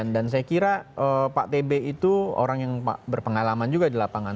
dan saya kira pak tb itu orang yang berpengalaman juga di lapangan